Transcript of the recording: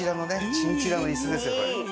チンチラの椅子ですよこれ。